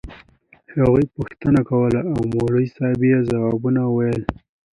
هغوى پوښتنې کولې او مولوي صاحب يې ځوابونه ويل.